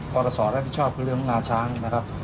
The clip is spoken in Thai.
ปรสรรคับพิชาพฤติปรุงงานช้างครับ